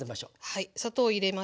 はい砂糖入れました。